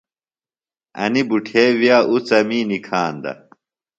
انیۡ بُٹھے وِیہ اُڅَمی نِکھاندہ۔